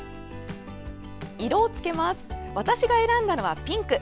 私が選んだのはピンク。